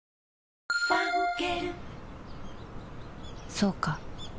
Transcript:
そうか